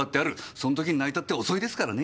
そん時に泣いたって遅いですからね！